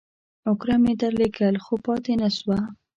اوگره مې درلېږل ، خو پاته نسوه.